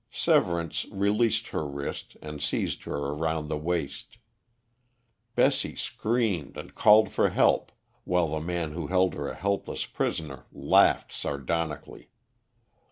Severance released her wrist and seized her around the waist. Bessie screamed and called for help, while the man who held her a helpless prisoner laughed sardonically.